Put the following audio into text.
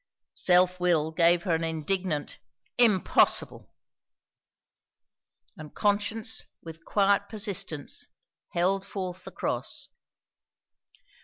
Self will gave her an indignant "Impossible!" And conscience with quiet persistence held forth the cross.